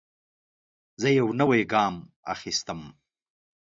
زه یو نوی ګام اخیستم.